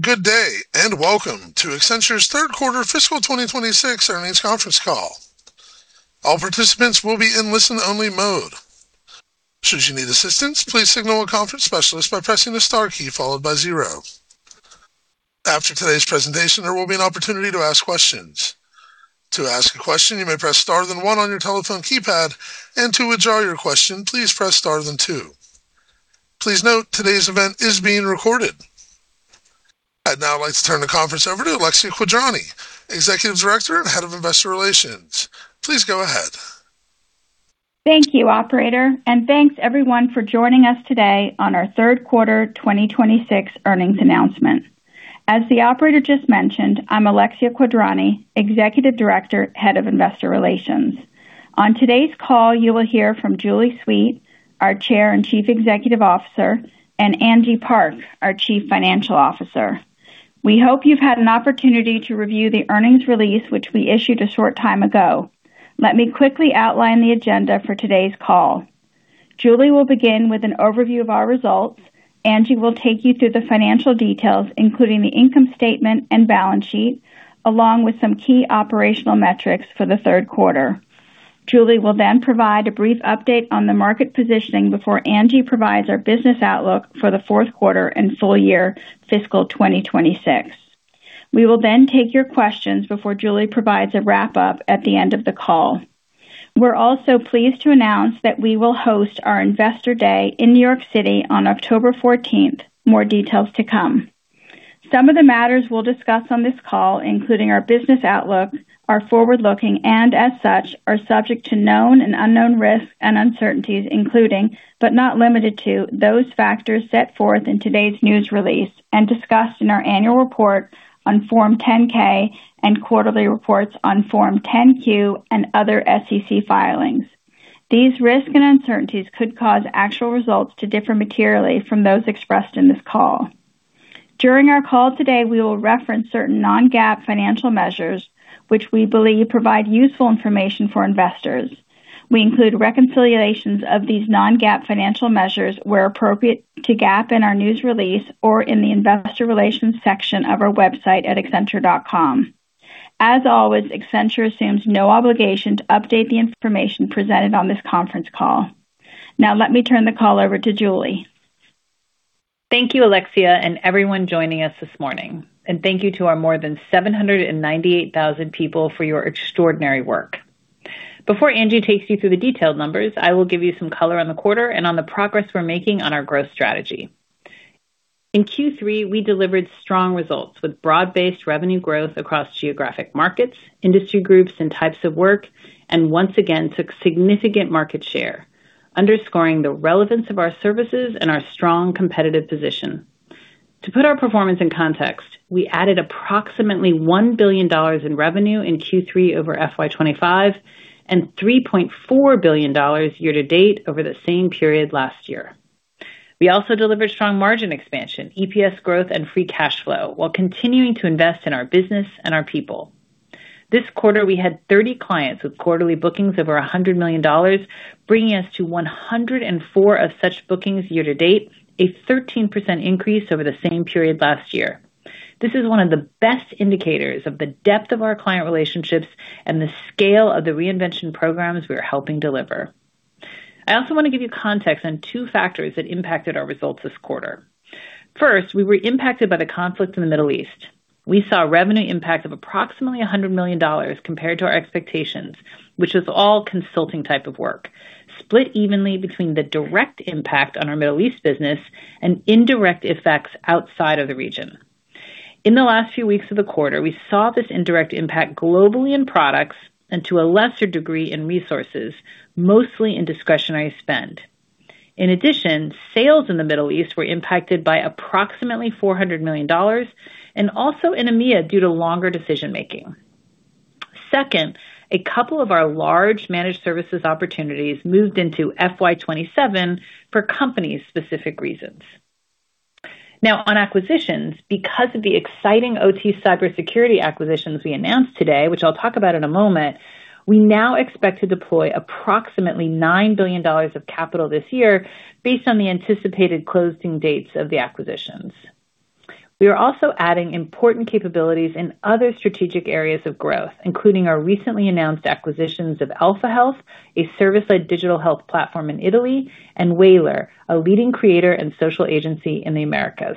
Good day, and welcome to Accenture's third quarter fiscal 2026 earnings conference call. All participants will be in listen-only mode. Should you need assistance, please signal a conference specialist by pressing the star key followed by zero. After today's presentation, there will be an opportunity to ask questions. To ask a question, you may press star then one on your telephone keypad, and to withdraw your question, please press star then two. Please note today's event is being recorded. I'd now like to turn the conference over to Alexia Quadrani, Executive Director and Head of Investor Relations. Please go ahead. Thank you, operator, and thanks everyone for joining us today on our third quarter 2026 earnings announcement. As the operator just mentioned, I'm Alexia Quadrani, Executive Director, Head of Investor Relations. On today's call, you will hear from Julie Sweet, our Chair and Chief Executive Officer, and Angie Park, our Chief Financial Officer. We hope you've had an opportunity to review the earnings release, which we issued a short time ago. Let me quickly outline the agenda for today's call. Julie will begin with an overview of our results. Angie will take you through the financial details, including the income statement and balance sheet, along with some key operational metrics for the third quarter. Julie will then provide a brief update on the market positioning before Angie provides our business outlook for the fourth quarter and full year fiscal 2026. We will take your questions before Julie provides a wrap-up at the end of the call. We're also pleased to announce that we will host our Investor Day in New York City on October 14th. More details to come. Some of the matters we'll discuss on this call, including our business outlook, are forward-looking and as such, are subject to known and unknown risks and uncertainties, including, but not limited to, those factors set forth in today's news release and discussed in our annual report on Form 10-K and quarterly reports on Form 10-Q and other SEC filings. These risks and uncertainties could cause actual results to differ materially from those expressed in this call. During our call today, we will reference certain non-GAAP financial measures which we believe provide useful information for investors. We include reconciliations of these non-GAAP financial measures where appropriate to GAAP in our news release or in the investor relations section of our website at accenture.com. As always, Accenture assumes no obligation to update the information presented on this conference call. Let me turn the call over to Julie. Thank you, Alexia, and everyone joining us this morning. Thank you to our more than 798,000 people for your extraordinary work. Before Angie takes you through the detailed numbers, I will give you some color on the quarter and on the progress we're making on our growth strategy. In Q3, we delivered strong results with broad-based revenue growth across geographic markets, industry groups, and types of work, and once again took significant market share, underscoring the relevance of our services and our strong competitive position. To put our performance in context, we added approximately $1 billion in revenue in Q3 over FY 2025 and $3.4 billion year-to-date over the same period last year. We also delivered strong margin expansion, EPS growth, and free cash flow while continuing to invest in our business and our people. This quarter, we had 30 clients with quarterly bookings over $100 million, bringing us to 104 of such bookings year-to-date, a 13% increase over the same period last year. This is one of the best indicators of the depth of our client relationships and the scale of the reinvention programs we are helping deliver. I also want to give you context on two factors that impacted our results this quarter. First, we were impacted by the conflict in the Middle East. We saw a revenue impact of approximately $100 million compared to our expectations, which was all consulting type of work, split evenly between the direct impact on our Middle East business and indirect effects outside of the region. In the last few weeks of the quarter, we saw this indirect impact globally in products and to a lesser degree in resources, mostly in discretionary spend. Sales in the Middle East were impacted by approximately $400 million and also in EMEA due to longer decision-making. Second, a couple of our large managed services opportunities moved into FY 2027 for company-specific reasons. On acquisitions, because of the exciting OT cybersecurity acquisitions we announced today, which I'll talk about in a moment, we now expect to deploy approximately $9 billion of capital this year based on the anticipated closing dates of the acquisitions. We are also adding important capabilities in other strategic areas of growth, including our recently announced acquisitions of Alfahealth, a service-led digital health platform in Italy, and Whalar, a leading creator and social agency in the Americas.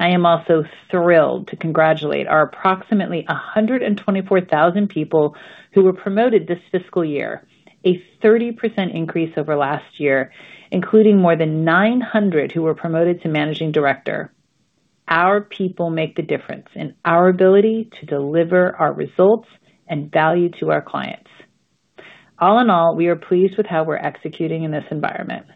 I am also thrilled to congratulate our approximately 124,000 people who were promoted this fiscal year, a 30% increase over last year, including more than 900 who were promoted to managing director. Our people make the difference in our ability to deliver our results and value to our clients. All in all, we are pleased with how we're executing in this environment.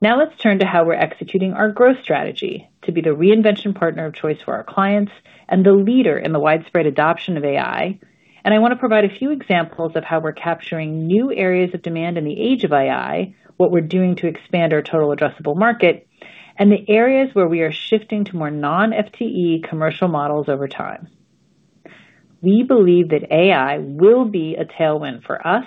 Let's turn to how we're executing our growth strategy to be the reinvention partner of choice for our clients and the leader in the widespread adoption of AI. I want to provide a few examples of how we're capturing new areas of demand in the age of AI, what we're doing to expand our total addressable market, and the areas where we are shifting to more non-FTE commercial models over time. We believe that AI will be a tailwind for us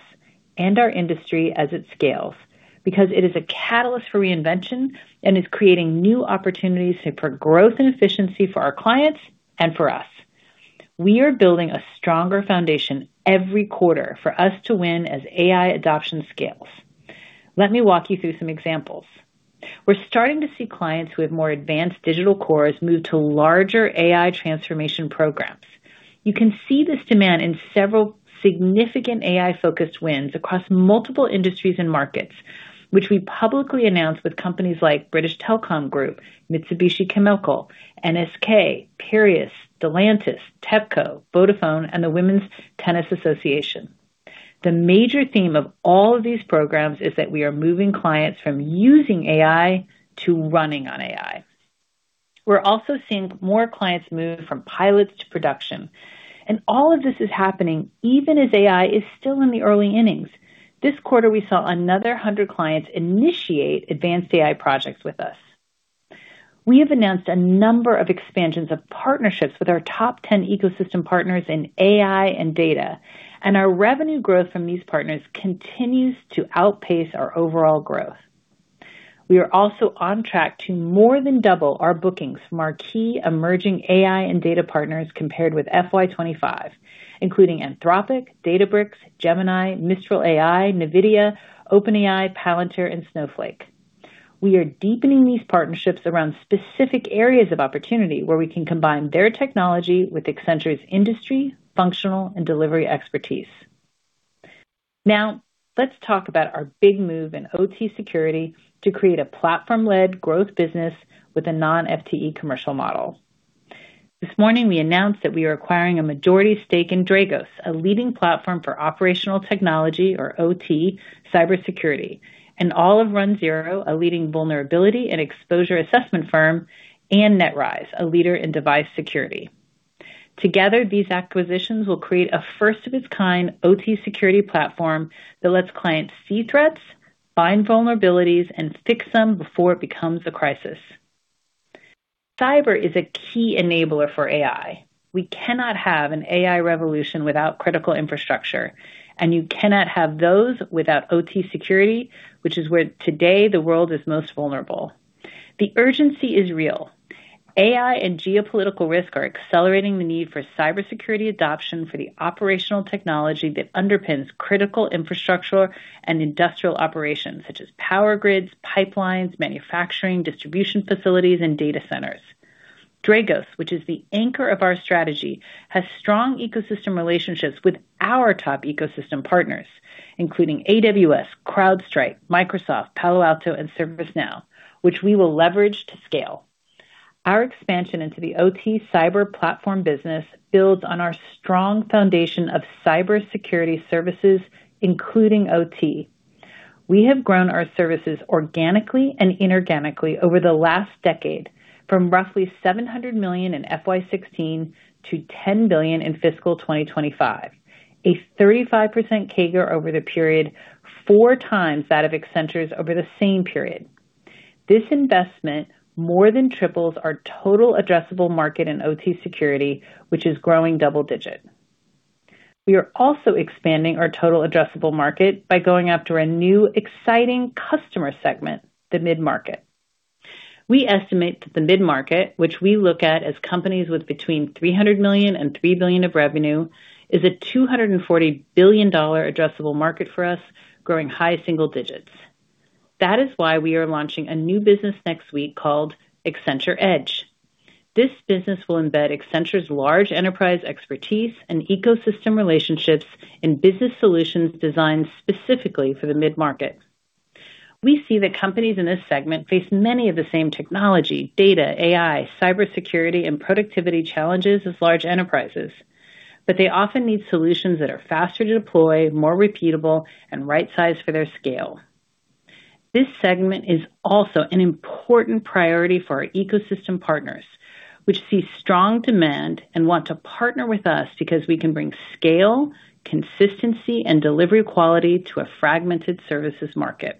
and our industry as it scales, because it is a catalyst for reinvention and is creating new opportunities for growth and efficiency for our clients and for us. We are building a stronger foundation every quarter for us to win as AI adoption scales. Let me walk you through some examples. We are starting to see clients who have more advanced digital cores move to larger AI transformation programs. You can see this demand in several significant AI-focused wins across multiple industries and markets, which we publicly announced with companies like BT Group, Mitsubishi Chemical, NSK, Piraeus, Stellantis, TEPCO, Vodafone, and the Women's Tennis Association. The major theme of all of these programs is that we are moving clients from using AI to running on AI. We are also seeing more clients move from pilots to production, and all of this is happening even as AI is still in the early innings. This quarter, we saw another 100 clients initiate advanced AI projects with us. We have announced a number of expansions of partnerships with our top 10 ecosystem partners in AI and data, and our revenue growth from these partners continues to outpace our overall growth. We are also on track to more than double our bookings from our key emerging AI and data partners compared with FY 2025, including Anthropic, Databricks, Gemini, Mistral AI, Nvidia, OpenAI, Palantir, and Snowflake. We are deepening these partnerships around specific areas of opportunity where we can combine their technology with Accenture's industry, functional, and delivery expertise. Now, let's talk about our big move in OT security to create a platform-led growth business with a non-FTE commercial model. This morning, we announced that we are acquiring a majority stake in Dragos, a leading platform for operational technology or OT, cybersecurity, and all of runZero, a leading vulnerability and exposure assessment firm, and NetRise, a leader in device security. Together, these acquisitions will create a first of its kind OT security platform that lets clients see threats, find vulnerabilities, and fix them before it becomes a crisis. Cyber is a key enabler for AI. We cannot have an AI revolution without critical infrastructure, and you cannot have those without OT security, which is where today the world is most vulnerable. The urgency is real. AI and geopolitical risk are accelerating the need for cybersecurity adoption for the operational technology that underpins critical infrastructure and industrial operations, such as power grids, pipelines, manufacturing, distribution facilities, and data centers. Dragos, which is the anchor of our strategy, has strong ecosystem relationships with our top ecosystem partners, including AWS, CrowdStrike, Microsoft, Palo Alto, and ServiceNow, which we will leverage to scale. Our expansion into the OT cyber platform business builds on our strong foundation of cybersecurity services, including OT. We have grown our services organically and inorganically over the last decade from roughly $700 million in FY 2016 to $10 billion in fiscal 2025, a 35% CAGR over the period, four times that of Accenture's over the same period. This investment more than triples our total addressable market in OT security, which is growing double digit. We are also expanding our total addressable market by going after a new exciting customer segment, the mid-market. We estimate that the mid-market, which we look at as companies with between $300 million and $3 billion of revenue, is a $240 billion addressable market for us, growing high single digits. That is why we are launching a new business next week called Accenture Edge. This business will embed Accenture's large enterprise expertise and ecosystem relationships in business solutions designed specifically for the mid-market. We see that companies in this segment face many of the same technology, data, AI, cybersecurity, and productivity challenges as large enterprises, but they often need solutions that are faster to deploy, more repeatable, and right-sized for their scale. This segment is also an important priority for our ecosystem partners, which see strong demand and want to partner with us because we can bring scale, consistency, and delivery quality to a fragmented services market.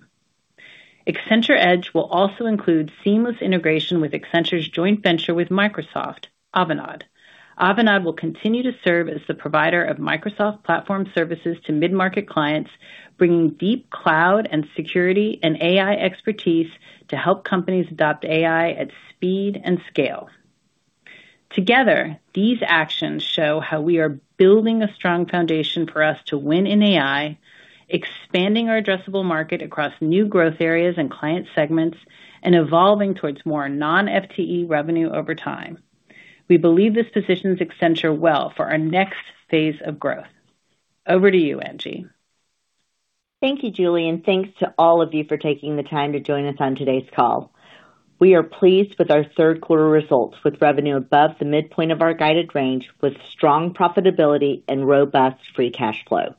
Accenture Edge will also include seamless integration with Accenture's joint venture with Microsoft, Avanade. Avanade will continue to serve as the provider of Microsoft Platform Services to mid-market clients, bringing deep cloud and security and AI expertise to help companies adopt AI at speed and scale. Together, these actions show how we are building a strong foundation for us to win in AI, expanding our addressable market across new growth areas and client segments, and evolving towards more non-FTE revenue over time. We believe this positions Accenture well for our next phase of growth. Over to you, Angie. Thank you, Julie, and thanks to all of you for taking the time to join us on today's call. We are pleased with our third quarter results, with revenue above the midpoint of our guided range with strong profitability and robust free cash flow.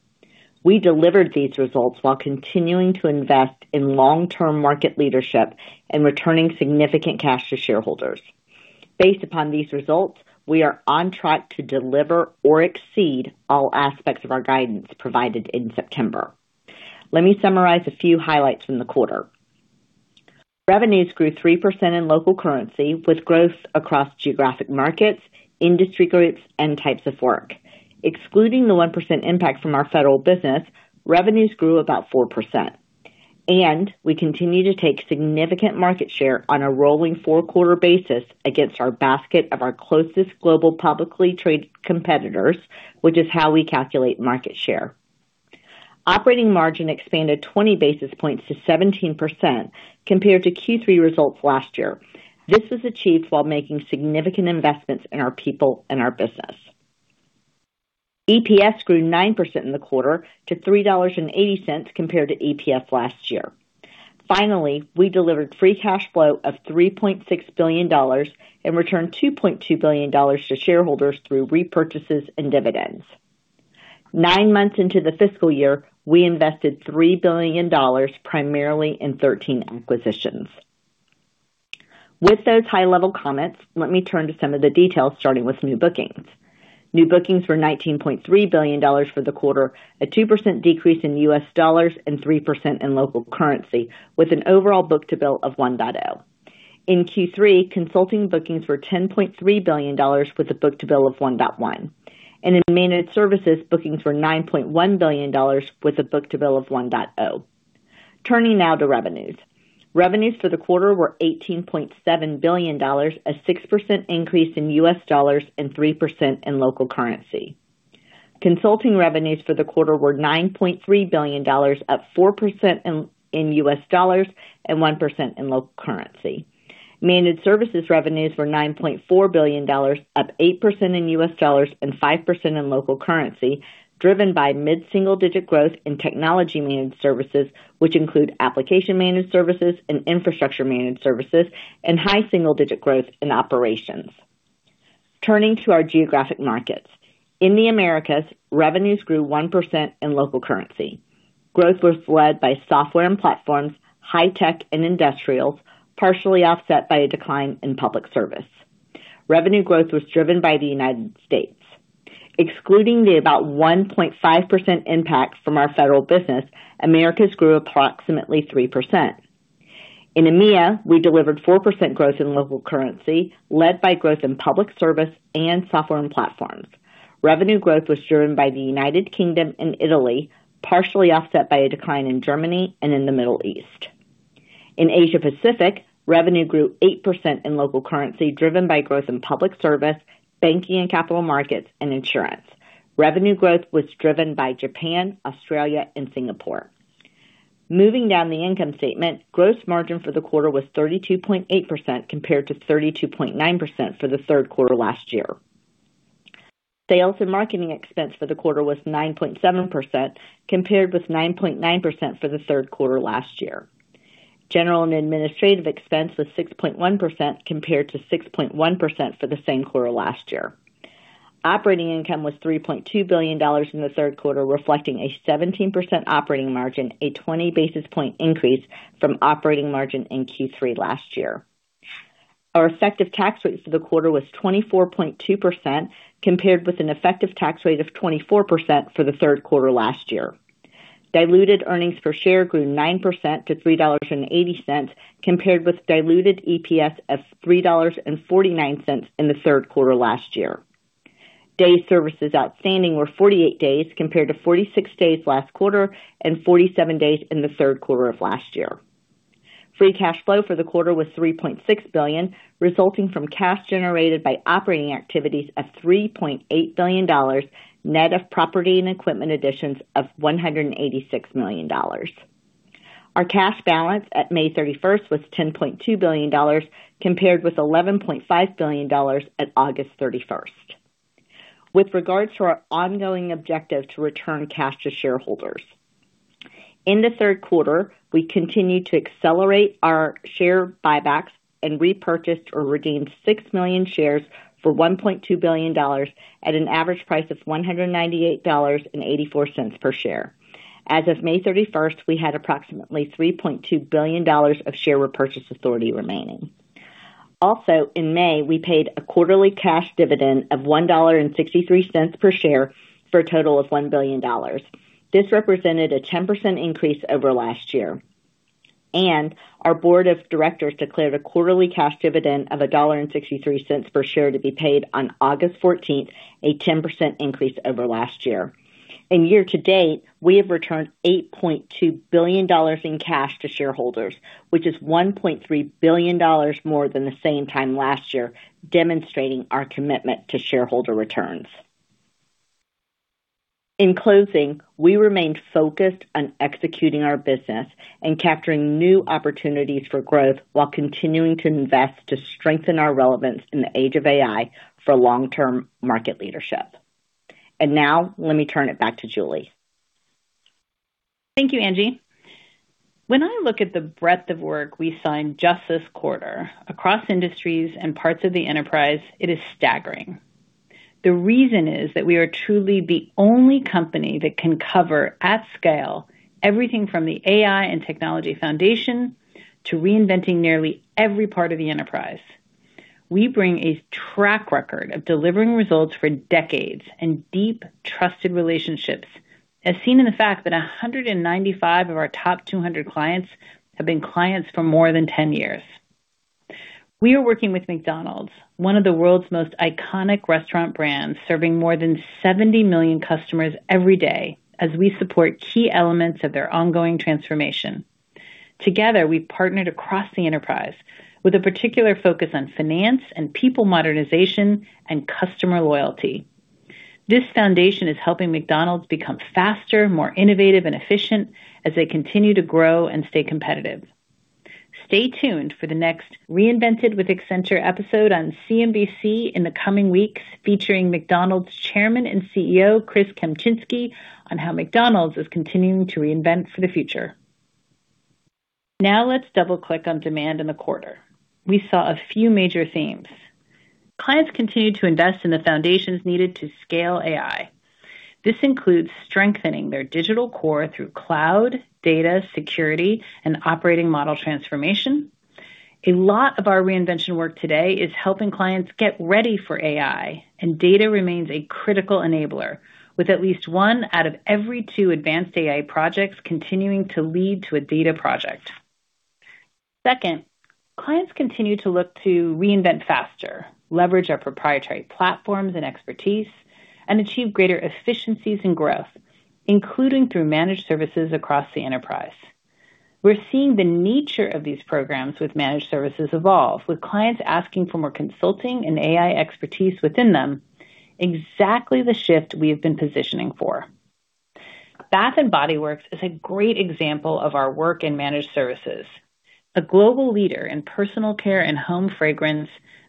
We delivered these results while continuing to invest in long-term market leadership and returning significant cash to shareholders. Based upon these results, we are on track to deliver or exceed all aspects of our guidance provided in September. Let me summarize a few highlights from the quarter. Revenues grew 3% in local currency with growth across geographic markets, industry groups, and types of work. Excluding the 1% impact from our federal business, revenues grew about 4%. We continue to take significant market share on a rolling four-quarter basis against our basket of our closest global publicly-traded competitors, which is how we calculate market share. Operating margin expanded 20 basis points to 17% compared to Q3 results last year. This was achieved while making significant investments in our people and our business. EPS grew 9% in the quarter to $3.80 compared to EPS last year. Finally, we delivered free cash flow of $3.6 billion and returned $2.2 billion to shareholders through repurchases and dividends. Nine months into the fiscal year, we invested $3 billion, primarily in 13 acquisitions. With those high-level comments, let me turn to some of the details, starting with new bookings. New bookings were $19.3 billion for the quarter, a 2% decrease in US dollars and 3% in local currency, with an overall book-to-bill of 1.0. In Q3, consulting bookings were $10.3 billion with a book-to-bill of 1.1. In managed services, bookings were $9.1 billion with a book-to-bill of 1.0. Turning now to revenues. Revenues for the quarter were $18.7 billion, a 6% increase in US dollars and 3% in local currency. Consulting revenues for the quarter were $9.3 billion, up 4% in US dollars and 1% in local currency. Managed services revenues were $9.4 billion, up 8% in US dollars and 5% in local currency, driven by mid-single-digit growth in technology managed services, which include application managed services and infrastructure managed services, and high single-digit growth in operations. Turning to our geographic markets. In the Americas, revenues grew 1% in local currency. Growth was led by software and platforms, high tech and industrials, partially offset by a decline in public service. Revenue growth was driven by the United States. Excluding the about 1.5% impact from our federal business, Americas grew approximately 3%. In EMEA, we delivered 4% growth in local currency, led by growth in public service and software and platforms. Revenue growth was driven by the U.K. and Italy, partially offset by a decline in Germany and in the Middle East. In Asia Pacific, revenue grew 8% in local currency, driven by growth in public service, banking and capital markets, and insurance. Revenue growth was driven by Japan, Australia, and Singapore. Moving down the income statement, gross margin for the quarter was 32.8% compared to 32.9% for the third quarter last year. Sales and marketing expense for the quarter was 9.7% compared with 9.9% for the third quarter last year. General and administrative expense was 6.1% compared to 6.1% for the same quarter last year. Operating income was $3.2 billion in the third quarter, reflecting a 17% operating margin, a 20 basis point increase from operating margin in Q3 last year. Our effective tax rate for the quarter was 24.2% compared with an effective tax rate of 24% for the third quarter last year. Diluted earnings per share grew 9% to $3.80 compared with diluted EPS of $3.49 in the third quarter last year. Day services outstanding were 48 days compared to 46 days last quarter and 47 days in the third quarter of last year. Free cash flow for the quarter was $3.6 billion, resulting from cash generated by operating activities of $3.8 billion net of property and equipment additions of $186 million. Our cash balance at May 31st was $10.2 billion compared with $11.5 billion at August 31st. With regards to our ongoing objective to return cash to shareholders. In the third quarter, we continued to accelerate our share buybacks and repurchased or redeemed 6 million shares for $1.2 billion at an average price of $198.84 per share. As of May 31st, we had approximately $3.2 billion of share repurchase authority remaining. Also, in May, we paid a quarterly cash dividend of $1.63 per share for a total of $1 billion. This represented a 10% increase over last year. Our board of directors declared a quarterly cash dividend of $1.63 per share to be paid on August 14th, a 10% increase over last year. In year to date, we have returned $8.2 billion in cash to shareholders, which is $1.3 billion more than the same time last year, demonstrating our commitment to shareholder returns. In closing, we remain focused on executing our business and capturing new opportunities for growth while continuing to invest to strengthen our relevance in the age of AI for long-term market leadership. Now let me turn it back to Julie. Thank you, Angie. When I look at the breadth of work we signed just this quarter across industries and parts of the enterprise, it is staggering. The reason is that we are truly the only company that can cover, at scale, everything from the AI and technology foundation to reinventing nearly every part of the enterprise. We bring a track record of delivering results for decades and deep trusted relationships, as seen in the fact that 195 of our top 200 clients have been clients for more than 10 years. We are working with McDonald's, one of the world's most iconic restaurant brands, serving more than 70 million customers every day as we support key elements of their ongoing transformation. Together, we've partnered across the enterprise with a particular focus on finance and people modernization and customer loyalty. This foundation is helping McDonald's become faster, more innovative, and efficient as they continue to grow and stay competitive. Stay tuned for the next Reinvented with Accenture episode on CNBC in the coming weeks, featuring McDonald's Chairman and CEO, Chris Kempczinski, on how McDonald's is continuing to reinvent for the future. Let's double-click on demand in the quarter. We saw a few major themes. Clients continued to invest in the foundations needed to scale AI. This includes strengthening their digital core through cloud, data security, and operating model transformation. A lot of our reinvention work today is helping clients get ready for AI, data remains a critical enabler with at least one out of every two advanced AI projects continuing to lead to a data project. Second, clients continue to look to reinvent faster, leverage our proprietary platforms and expertise, and achieve greater efficiencies and growth, including through managed services across the enterprise. We're seeing the nature of these programs with managed services evolve, with clients asking for more consulting and AI expertise within them. Exactly the shift we have been positioning for. Bath & Body Works is a great example of our work in managed services. A global leader in personal care and home fragrance,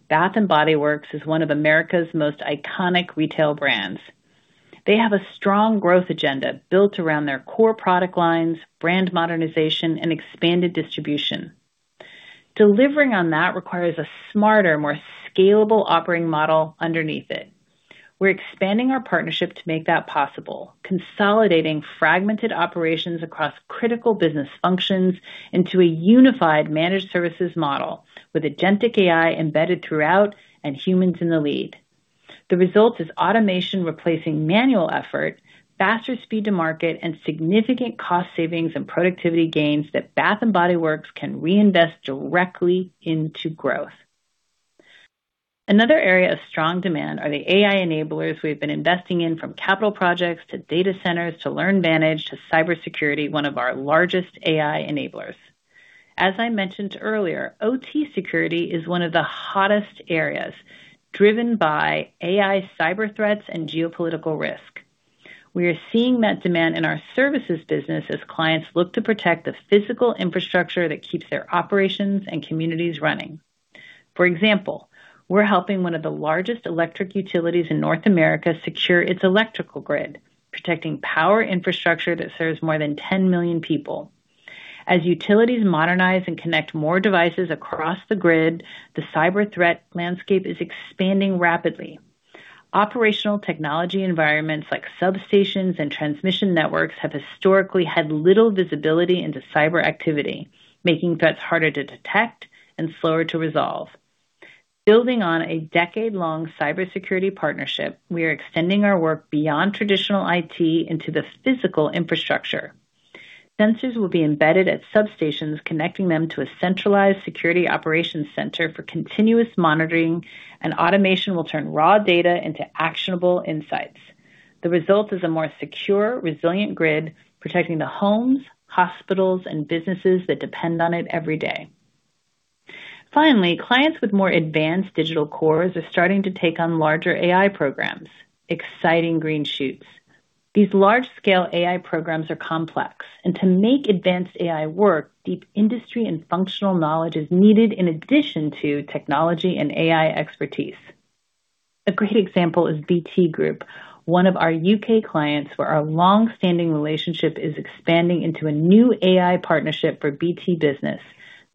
Bath & Body Works is one of America's most iconic retail brands. They have a strong growth agenda built around their core product lines, brand modernization, and expanded distribution. Delivering on that requires a smarter, more scalable operating model underneath it. We're expanding our partnership to make that possible, consolidating fragmented operations across critical business functions into a unified managed services model with agentic AI embedded throughout and humans in the lead. The result is automation replacing manual effort, faster speed to market, and significant cost savings and productivity gains that Bath & Body Works can reinvest directly into growth. Another area of strong demand are the AI enablers we've been investing in from capital projects to data centers to LearnVantage to cybersecurity, one of our largest AI enablers. As I mentioned earlier, OT security is one of the hottest areas driven by AI cyber threats and geopolitical risk. We are seeing that demand in our services business as clients look to protect the physical infrastructure that keeps their operations and communities running. For example, we're helping one of the largest electric utilities in North America secure its electrical grid, protecting power infrastructure that serves more than 10 million people. As utilities modernize and connect more devices across the grid, the cyber threat landscape is expanding rapidly. Operational technology environments like substations and transmission networks have historically had little visibility into cyber activity, making threats harder to detect and slower to resolve. Building on a decade-long cybersecurity partnership, we are extending our work beyond traditional IT into the physical infrastructure. Sensors will be embedded at substations, connecting them to a centralized security operations center for continuous monitoring, and automation will turn raw data into actionable insights. The result is a more secure, resilient grid, protecting the homes, hospitals, and businesses that depend on it every day. Finally, clients with more advanced digital cores are starting to take on larger AI programs. Exciting green shoots. These large-scale AI programs are complex, to make advanced AI work, deep industry and functional knowledge is needed in addition to technology and AI expertise. A great example is BT Group, one of our U.K. clients where our long-standing relationship is expanding into a new AI partnership for BT Business,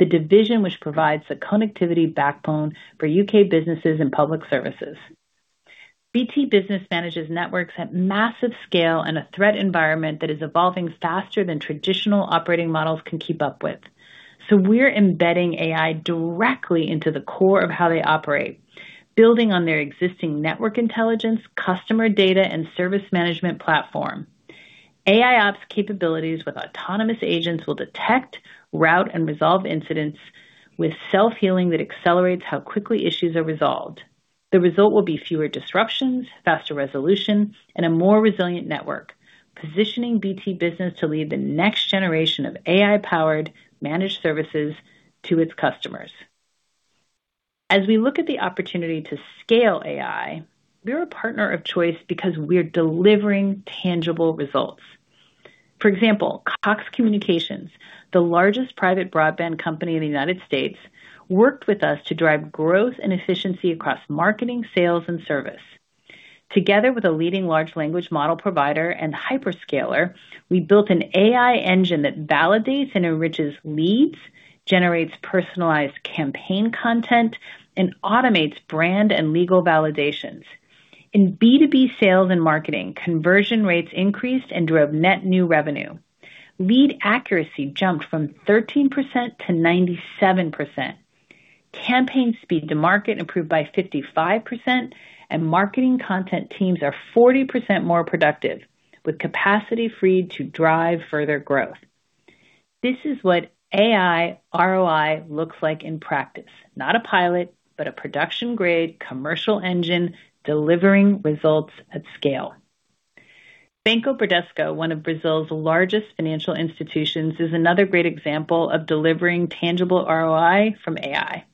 the division which provides the connectivity backbone for U.K. businesses and public services. BT Business manages networks at massive scale and a threat environment that is evolving faster than traditional operating models can keep up with. We're embedding AI directly into the core of how they operate, building on their existing network intelligence, customer data, and service management platform. AIOps capabilities with autonomous agents will detect, route, and resolve incidents with self-healing that accelerates how quickly issues are resolved. The result will be fewer disruptions, faster resolution, and a more resilient network, positioning BT Business to lead the next generation of AI-powered managed services to its customers. As we look at the opportunity to scale AI, we're a partner of choice because we're delivering tangible results. For example, Cox Communications, the largest private broadband company in the U.S., worked with us to drive growth and efficiency across marketing, sales, and service. Together with a leading large language model provider and hyperscaler, we built an AI engine that validates and enriches leads, generates personalized campaign content, and automates brand and legal validations. In B2B sales and marketing, conversion rates increased and drove net new revenue. Lead accuracy jumped from 13%-97%. Campaign speed to market improved by 55%, and marketing content teams are 40% more productive, with capacity freed to drive further growth. This is what AI ROI looks like in practice. Not a pilot, but a production-grade commercial engine delivering results at scale. Banco Bradesco, one of Brazil's largest financial institutions, is another great example of delivering tangible ROI from AI.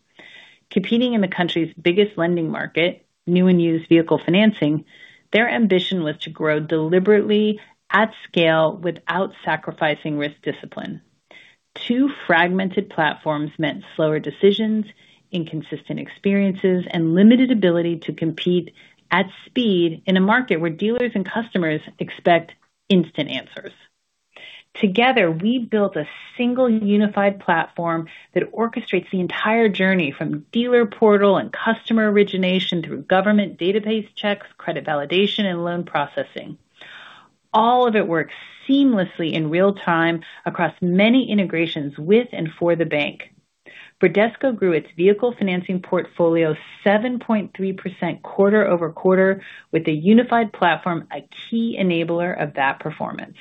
Competing in the country's biggest lending market, new and used vehicle financing, their ambition was to grow deliberately at scale without sacrificing risk discipline. Two fragmented platforms meant slower decisions, inconsistent experiences, and limited ability to compete at speed in a market where dealers and customers expect instant answers. Together, we built a single unified platform that orchestrates the entire journey from dealer portal and customer origination through government database checks, credit validation, and loan processing. All of it works seamlessly in real time across many integrations with and for the bank. Bradesco grew its vehicle financing portfolio 7.3% quarter-over-quarter, with the unified platform a key enabler of that performance.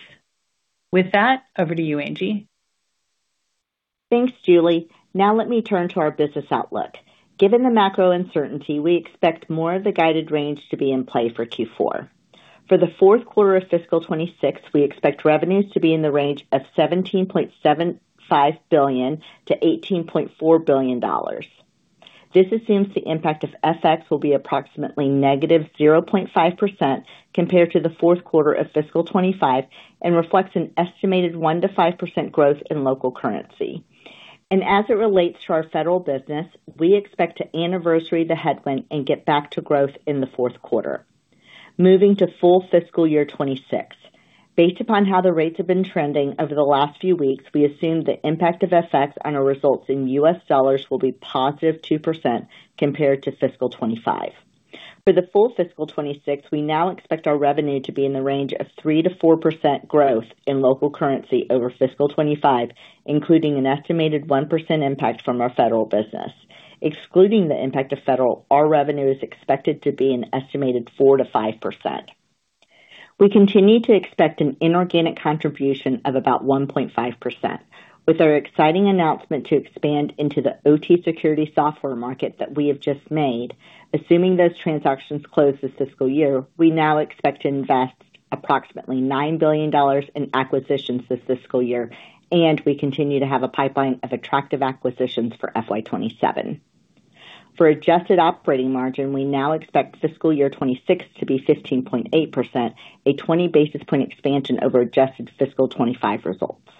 With that, over to you, Angie. Thanks, Julie. Let me turn to our business outlook. Given the macro uncertainty, we expect more of the guided range to be in play for Q4. For the fourth quarter of fiscal 2026, we expect revenues to be in the range of $17.75 billion to $18.4 billion. This assumes the impact of FX will be approximately negative 0.5% compared to the fourth quarter of fiscal 2025 and reflects an estimated 1%-5% growth in local currency. As it relates to our federal business, we expect to anniversary the headwind and get back to growth in the fourth quarter. Moving to full fiscal year 2026. Based upon how the rates have been trending over the last few weeks, we assume the impact of FX on our results in US dollars will be positive 2% compared to fiscal 2025. For the full fiscal 2026, we now expect our revenue to be in the range of 3%-4% growth in local currency over fiscal 2025, including an estimated 1% impact from our federal business. Excluding the impact of federal, our revenue is expected to be an estimated 4%-5%. We continue to expect an inorganic contribution of about 1.5%. With our exciting announcement to expand into the OT security software market that we have just made, assuming those transactions close this fiscal year, we now expect to invest approximately $9 billion in acquisitions this fiscal year, and we continue to have a pipeline of attractive acquisitions for FY 2027. For adjusted operating margin, we now expect fiscal year 2026 to be 15.8%, a 20 basis point expansion over adjusted fiscal 2025 results.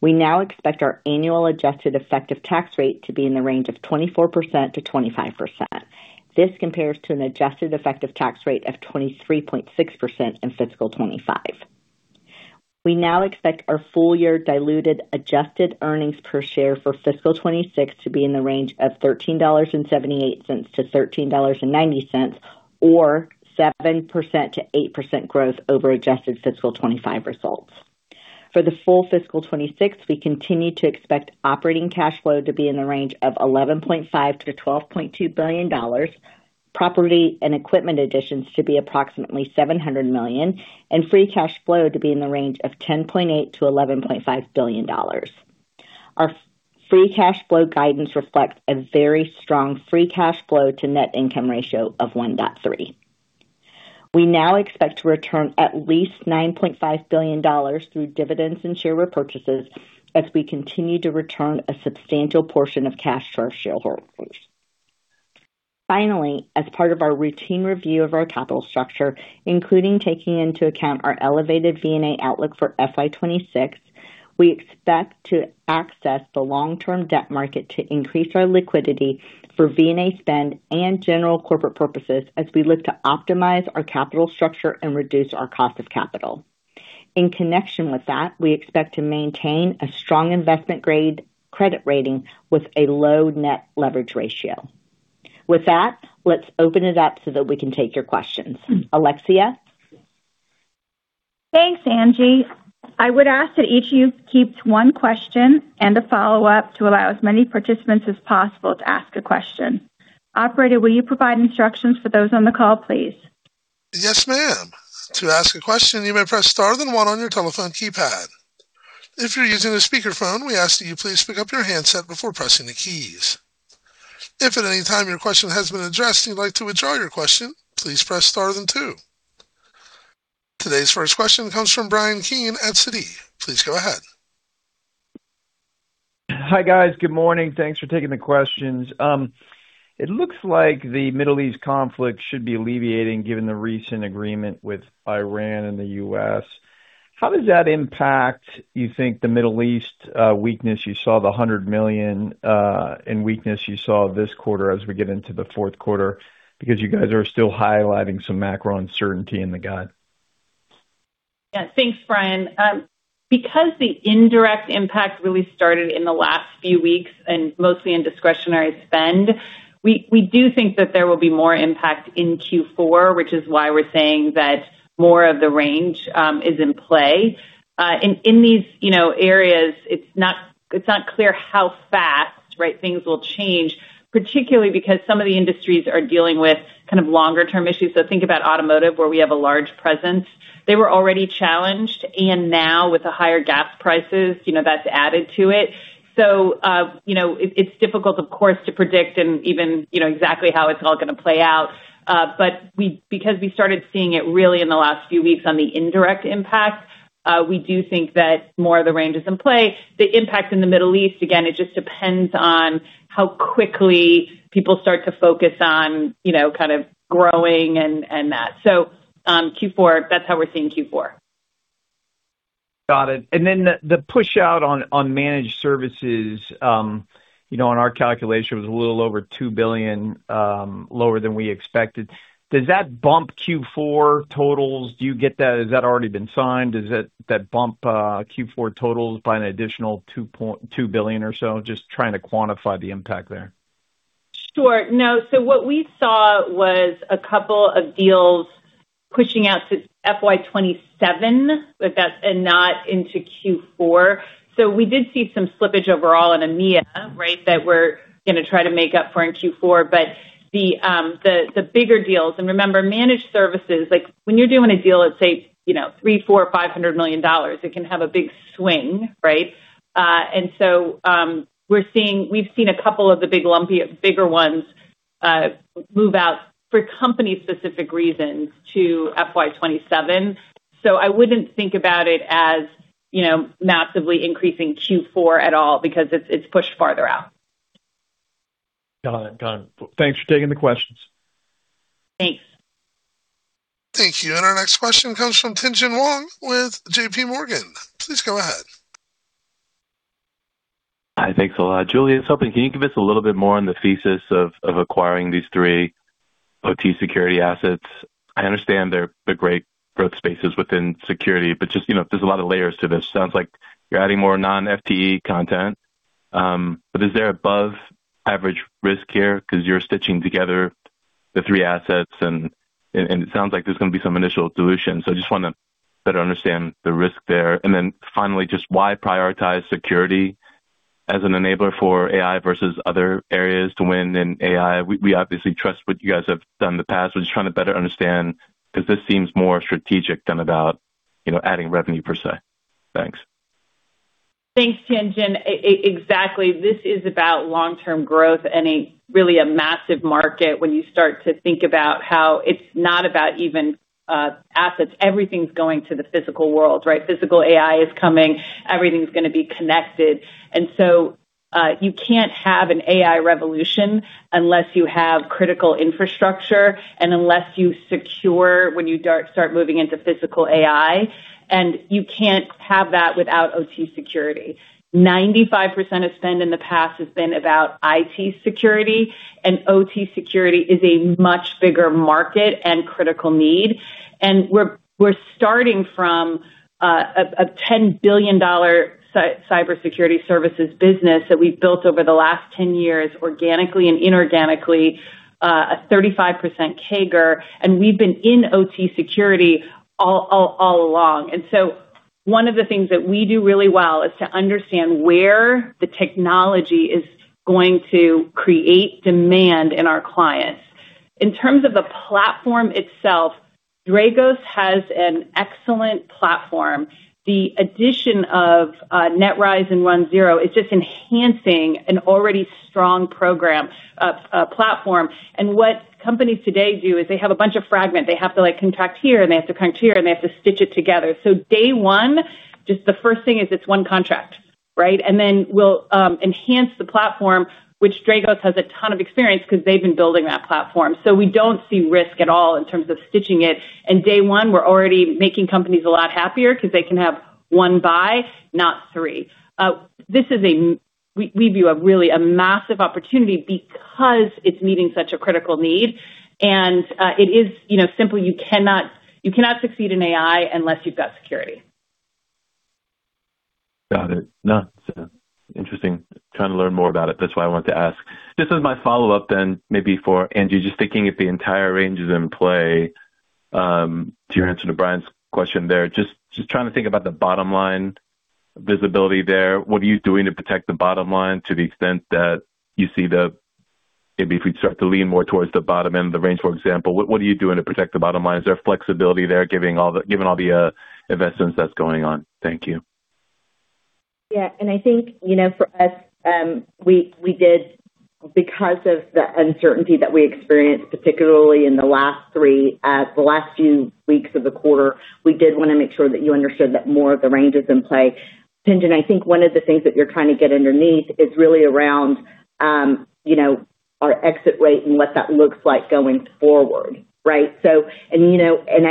We now expect our annual adjusted effective tax rate to be in the range of 24%-25%. This compares to an adjusted effective tax rate of 23.6% in fiscal 2025. We now expect our full-year diluted adjusted earnings per share for fiscal 2026 to be in the range of $13.78-$13.90, or 7%-8% growth over adjusted fiscal 2025 results. For the full fiscal 2026, we continue to expect operating cash flow to be in the range of $11.5 billion to $12.2 billion, property and equipment additions to be approximately $700 million, and free cash flow to be in the range of $10.8 billion to $11.5 billion. Our free cash flow guidance reflects a very strong free cash flow to net income ratio of 1.3. We now expect to return at least $9.5 billion through dividends and share repurchases as we continue to return a substantial portion of cash to our shareholders. Finally, as part of our routine review of our capital structure, including taking into account our elevated M&A outlook for FY 2026, we expect to access the long-term debt market to increase our liquidity for M&A spend and general corporate purposes as we look to optimize our capital structure and reduce our cost of capital. In connection with that, we expect to maintain a strong investment-grade credit rating with a low net leverage ratio. With that, let's open it up so that we can take your questions. Alexia? Thanks, Angie. I would ask that each of you keeps one question and a follow-up to allow as many participants as possible to ask a question. Operator, will you provide instructions for those on the call, please? Yes, ma'am. To ask a question, you may press star then one on your telephone keypad. If you're using a speakerphone, we ask that you please pick up your handset before pressing the keys. If at any time your question has been addressed and you'd like to withdraw your question, please press star then two. Today's first question comes from Bryan Keane at Citi. Please go ahead. Hi, guys. Good morning. Thanks for taking the questions. It looks like the Middle East conflict should be alleviating given the recent agreement with Iran and the U.S. How does that impact, you think, the Middle East weakness? You saw the $100 million in weakness you saw this quarter as we get into the fourth quarter because you guys are still highlighting some macro uncertainty in the guide. Thanks, Bryan. Because the indirect impact really started in the last few weeks and mostly in discretionary spend, we do think that there will be more impact in Q4, which is why we're saying that more of the range is in play. In these areas, it's not clear how fast, right? Things will change, particularly because some of the industries are dealing with longer-term issues. Think about automotive, where we have a large presence. They were already challenged, and now with the higher gas prices, that's added to it. It's difficult, of course, to predict and even exactly how it's all going to play out. Because we started seeing it really in the last few weeks on the indirect impact, we do think that more of the range is in play. The impact in the Middle East, again, it just depends on how quickly people start to focus on growing and that. Q4, that's how we're seeing Q4. Got it. The push-out on managed services, on our calculation, was a little over $2 billion lower than we expected. Does that bump Q4 totals? Do you get that? Has that already been signed? Does that bump Q4 totals by an additional $2 billion or so? Just trying to quantify the impact there. Sure. No. What we saw was a couple of deals pushing out to FY 2027, but that's not into Q4. We did see some slippage overall in EMEA, that we're going to try to make up for in Q4. The bigger deals, and remember, managed services, when you're doing a deal at, say, $300 million, $400 million, $500 million, it can have a big swing, right? We've seen a couple of the big lumpy, bigger ones move out for company-specific reasons to FY 2027. I wouldn't think about it as massively increasing Q4 at all because it's pushed farther out. Got it. Thanks for taking the questions. Thanks. Thank you. Our next question comes from Tien-Tsin Huang with JPMorgan. Please go ahead. Hi. Thanks a lot. Julie, I was hoping, can you give us a little bit more on the thesis of acquiring these three OT security assets? I understand they're great growth spaces within security, there's a lot of layers to this. Sounds like you're adding more non-FTE content. Is there above-average risk here because you're stitching together the three assets, and it sounds like there's going to be some initial dilution. I just want to better understand the risk there. Finally, just why prioritize security as an enabler for AI versus other areas to win in AI? We obviously trust what you guys have done in the past. We're just trying to better understand, because this seems more strategic than about adding revenue, per se. Thanks. Thanks, Tien-tsin. Exactly. This is about long-term growth and really a massive market when you start to think about how it's not about even assets. Everything's going to the physical world, right? Physical AI is coming. Everything's going to be connected. You can't have an AI revolution unless you have critical infrastructure and unless you secure when you start moving into physical AI, and you can't have that without OT security. 95% of spend in the past has been about IT security, and OT security is a much bigger market and critical need. We're starting from a $10 billion cybersecurity services business that we've built over the last 10 years organically and inorganically, a 35% CAGR, and we've been in OT security all along. One of the things that we do really well is to understand where the technology is going to create demand in our clients. In terms of the platform itself, Dragos has an excellent platform. The addition of NetRise and runZero is just enhancing an already strong platform. What companies today do is they have a bunch of fragment. They have to contract here, and they have to contract here, and they have to stitch it together. So day one, just the first thing is it is one contract. Then we will enhance the platform, which Dragos has a ton of experience because they have been building that platform. So we do not see risk at all in terms of stitching it. Day one, we are already making companies a lot happier because they can have one buy, not three. We view a really a massive opportunity because it is meeting such a critical need, and it is simple. You cannot succeed in AI unless you have got security. Got it. It is interesting. Trying to learn more about it. That is why I wanted to ask. Just as my follow-up maybe for Angie, just thinking if the entire range is in play, to your answer to Bryan's question there, just trying to think about the bottom line visibility there. What are you doing to protect the bottom line to the extent that you see maybe if we start to lean more towards the bottom end of the range, for example, what are you doing to protect the bottom line? Is there flexibility there, given all the investments that is going on? Thank you. I think, for us, because of the uncertainty that we experienced, particularly in the last few weeks of the quarter, we did want to make sure that you understood that more of the range is in play. Tien-Tsin, I think one of the things that you are trying to get underneath is really around our exit rate and what that looks like going forward, right? I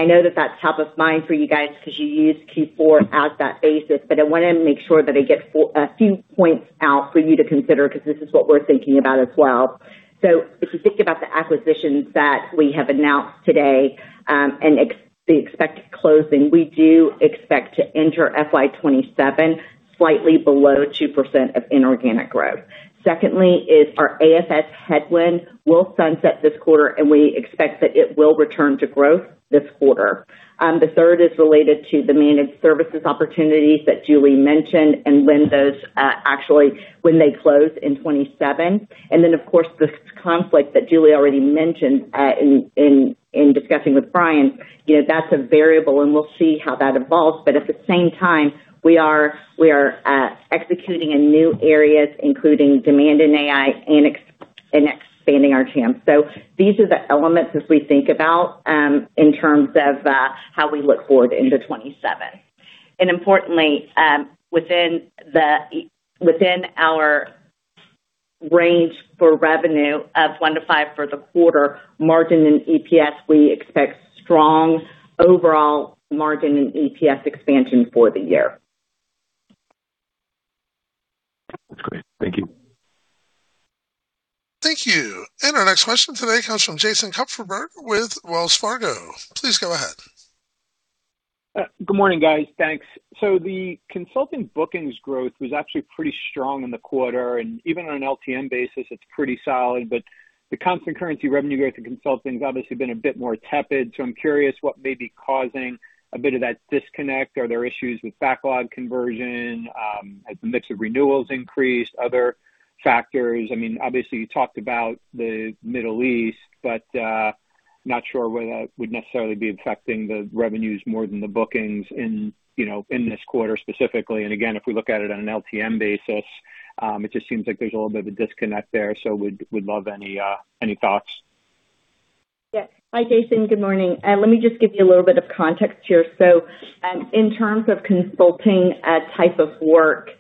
know that that is top of mind for you guys because you used Q4 as that basis, I want to make sure that I get a few points out for you to consider because this is what we are thinking about as well. If you think about the acquisitions that we have announced today, and the expected closing, we do expect to enter FY 2027 slightly below 2% of inorganic growth. Secondly is our AFF headwind will sunset this quarter. We expect that it will return to growth this quarter. The third is related to the managed services opportunities that Julie mentioned and when they close in 2027. Then, of course, this conflict that Julie already mentioned in discussing with Bryan, that's a variable. We'll see how that evolves. At the same time, we are executing in new areas, including demand in AI and expanding our TAM. These are the elements as we think about in terms of how we look forward into 2027. Importantly, within our range for revenue of 1%-5% for the quarter margin in EPS, we expect strong overall margin in EPS expansion for the year. That's great. Thank you. Thank you. Our next question today comes from Jason Kupferberg with Wells Fargo. Please go ahead. Good morning, guys. Thanks. The consulting bookings growth was actually pretty strong in the quarter. Even on an LTM basis, it's pretty solid. The constant currency revenue growth in consulting has obviously been a bit more tepid. I'm curious what may be causing a bit of that disconnect. Are there issues with backlog conversion? Has the mix of renewals increased other factors? Obviously, you talked about the Middle East, but not sure whether that would necessarily be affecting the revenues more than the bookings in this quarter specifically. Again, if we look at it on an LTM basis, it just seems like there's a little bit of a disconnect there. Would love any thoughts. Hi, Jason. Good morning. Let me just give you a little bit of context here. In terms of consulting type of work,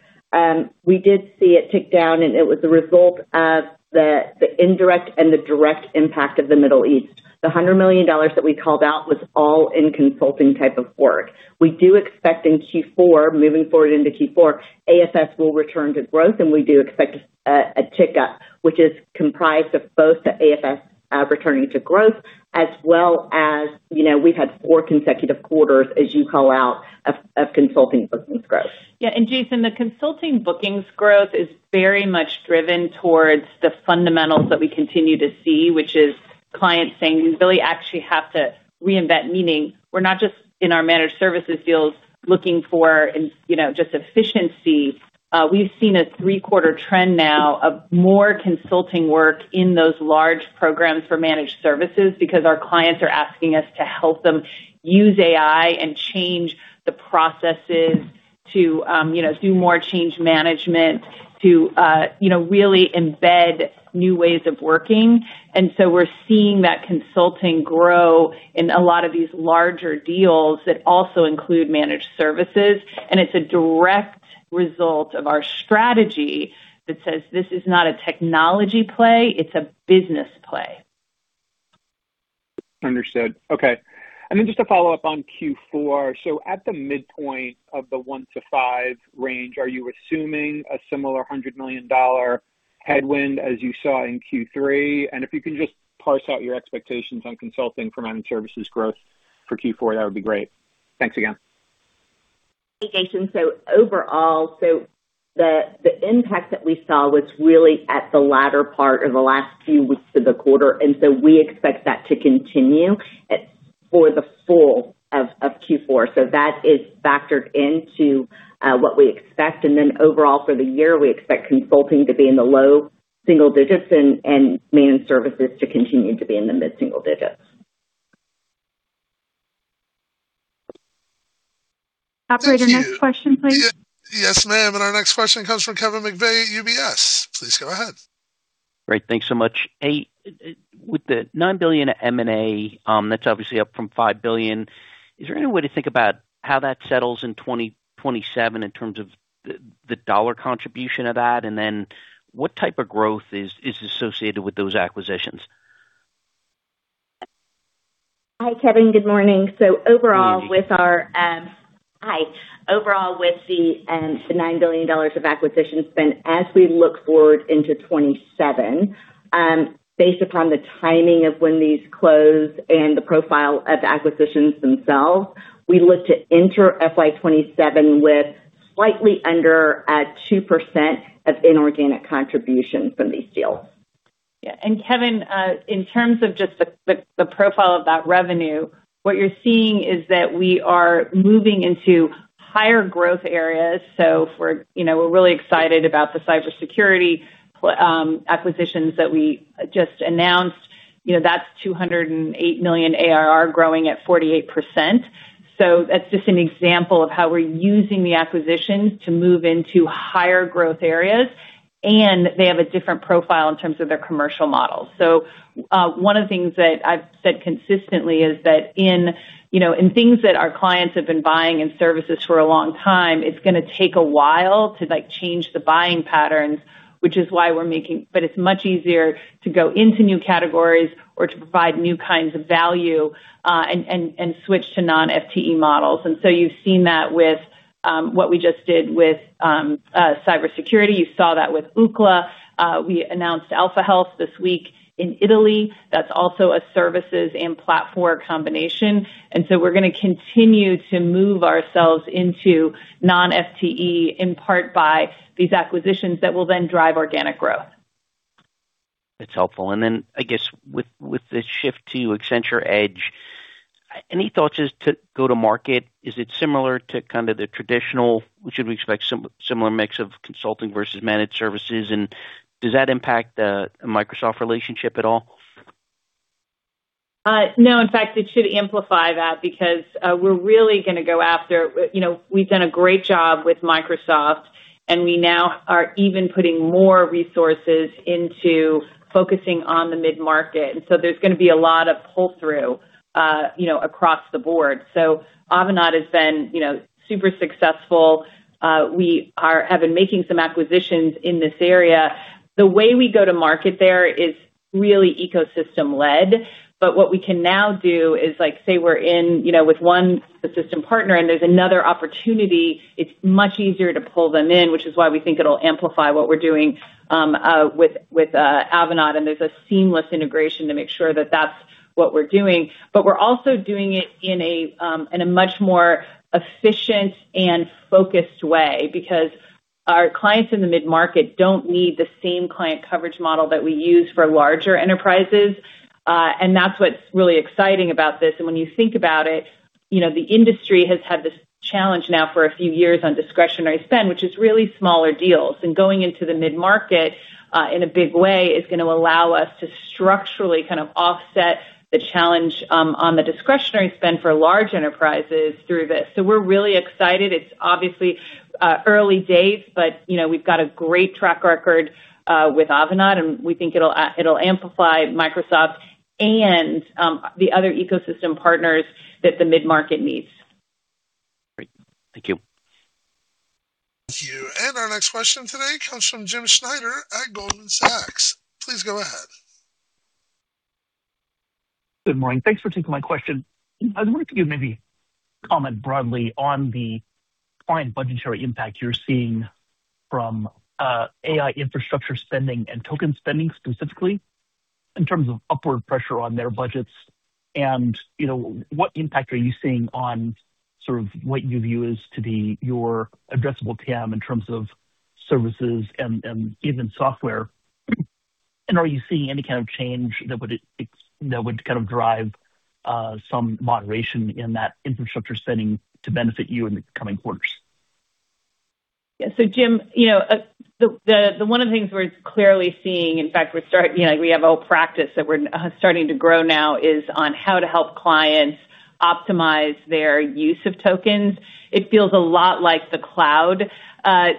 we did see it tick down, and it was the result of the indirect and the direct impact of the Middle East. The $100 million that we called out was all in consulting type of work. We do expect in Q4, moving forward into Q4, AFS will return to growth, and we do expect a tick up, which is comprised of both the AFS returning to growth as well as we've had four consecutive quarters, as you call out, of consulting bookings growth. Jason, the consulting bookings growth is very much driven towards the fundamentals that we continue to see, which is clients saying we really actually have to reinvent meaning. We're not just in our managed services deals looking for just efficiency. We've seen a three-quarter trend now of more consulting work in those large programs for managed services because our clients are asking us to help them use AI and change the processes to do more change management to really embed new ways of working. We're seeing that consulting grow in a lot of these larger deals that also include managed services, and it's a direct result of our strategy that says this is not a technology play, it's a business play. Understood. Okay. Just to follow up on Q4. At the midpoint of the 1-5 range, are you assuming a similar $100 million headwind as you saw in Q3? If you can just parse out your expectations on consulting for managed services growth for Q4, that would be great. Thanks again. Hey, Jason. Overall, the impact that we saw was really at the latter part or the last few weeks of the quarter. We expect that to continue for the full of Q4. That is factored into what we expect. Overall for the year, we expect consulting to be in the low single digits and managed services to continue to be in the mid-single digits. Operator, next question, please. Yes, ma'am. Our next question comes from Kevin McVeigh at UBS. Please go ahead. Great. Thanks so much. With the $9 billion M&A, that's obviously up from $5 billion. Is there any way to think about how that settles in 2027 in terms of the dollar contribution of that? What type of growth is associated with those acquisitions? Hi, Kevin. Good morning. Good morning. Hi. Overall, with the $9 billion of acquisition spend as we look forward into 2027, based upon the timing of when these close and the profile of the acquisitions themselves, we look to enter FY 2027 with slightly under at 2% of inorganic contribution from these deals. Yeah. Kevin, in terms of just the profile of that revenue, what you're seeing is that we are moving into higher growth areas. We're really excited about the cybersecurity acquisitions that we just announced. That's $208 million ARR growing at 48%. That's just an example of how we're using the acquisitions to move into higher growth areas, and they have a different profile in terms of their commercial models. One of the things that I've said consistently is that in things that our clients have been buying and services for a long time, it's going to take a while to change the buying patterns. It's much easier to go into new categories or to provide new kinds of value, and switch to non-FTE models. You've seen that with what we just did with cybersecurity. You saw that with Ookla. We announced Alfahealth this week in Italy. That's also a services and platform combination. We're going to continue to move ourselves into non-FTE, in part by these acquisitions that will then drive organic growth. That's helpful. Then, I guess with the shift to Accenture Edge, any thoughts as to go to market? Is it similar to the traditional? Should we expect similar mix of consulting versus managed services? Does that impact the Microsoft relationship at all? No, in fact, it should amplify that because We've done a great job with Microsoft, and we now are even putting more resources into focusing on the mid-market. There's going to be a lot of pull-through across the board. Avanade has been super successful. We have been making some acquisitions in this area. The way we go to market there is really ecosystem-led. What we can now do is like, say, we're in with one system partner and there's another opportunity, it's much easier to pull them in, which is why we think it'll amplify what we're doing with Avanade, and there's a seamless integration to make sure that that's what we're doing. We're also doing it in a much more efficient and focused way because our clients in the mid-market don't need the same client coverage model that we use for larger enterprises. That's what's really exciting about this. When you think about it, the industry has had this challenge now for a few years on discretionary spend, which is really smaller deals. Going into the mid-market in a big way is going to allow us to structurally offset the challenge on the discretionary spend for large enterprises through this. We're really excited. It's obviously early days, but we've got a great track record with Avanade, and we think it'll amplify Microsoft and the other ecosystem partners that the mid-market needs. Great. Thank you. Thank you. Our next question today comes from James Schneider at Goldman Sachs. Please go ahead. Good morning. Thanks for taking my question. I was wondering if you maybe comment broadly on the client budgetary impact you're seeing from AI infrastructure spending and token spending specifically, in terms of upward pressure on their budgets. What impact are you seeing on what you view as to be your addressable TAM in terms of services and even software? Are you seeing any kind of change that would drive some moderation in that infrastructure spending to benefit you in the coming quarters? Yeah. Jim, one of the things we're clearly seeing, in fact, we have a whole practice that we're starting to grow now is on how to help clients optimize their use of tokens. It feels a lot like the cloud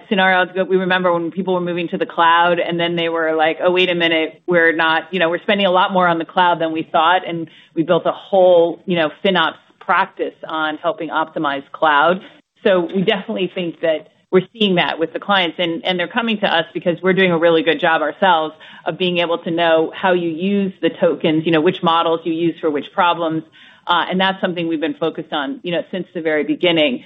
scenario. We remember when people were moving to the cloud, then they were like, "Oh, wait a minute. We're spending a lot more on the cloud than we thought." We built a whole FinOps practice on helping optimize cloud. We definitely think that we're seeing that with the clients, and they're coming to us because we're doing a really good job ourselves of being able to know how you use the tokens, which models you use for which problems. That's something we've been focused on since the very beginning.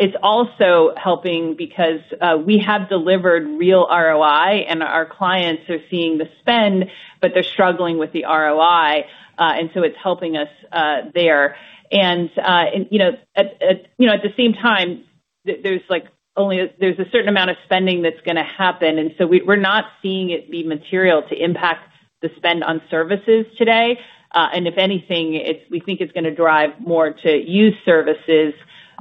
It's also helping because we have delivered real ROI, and our clients are seeing the spend, but they're struggling with the ROI. It's helping us there. At the same time, there's a certain amount of spending that's going to happen, so we're not seeing it be material to impact the spend on services today. If anything, we think it's going to drive more to use services,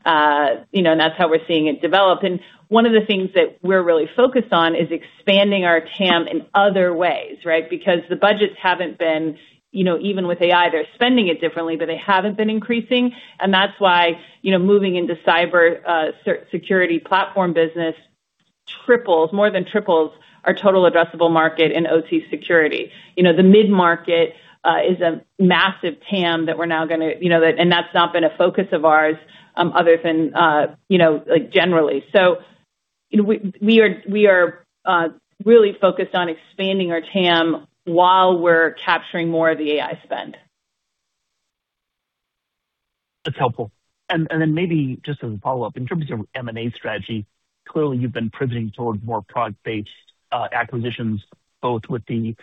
and that's how we're seeing it develop. One of the things that we're really focused on is expanding our TAM in other ways, right? Because the budgets haven't been, even with AI, they're spending it differently, but they haven't been increasing. That's why moving into cyber security platform business more than triples our total addressable market in OT security. The mid-market is a massive TAM, and that's not been a focus of ours other than generally. We are really focused on expanding our TAM while we're capturing more of the AI spend. That's helpful. Then maybe just as a follow-up, in terms of M&A strategy, clearly you've been pivoting towards more product-based acquisitions, both with the